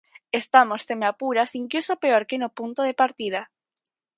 Estamos, se me apuras, incluso peor que no punto de partida.